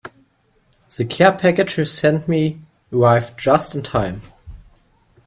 The care package you sent me arrived just in time.